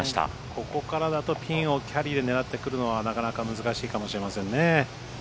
ここからだとピンをキャリーで狙ってくるのはなかなか難しいかもしれませんね。